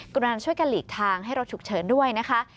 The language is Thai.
กำลังช่วยกันหลีกทางให้รถฉุกเฉินด้วยนะคะ